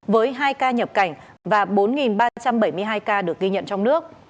với hai ca nhập cảnh và bốn ba trăm bảy mươi hai ca được ghi nhận trong nước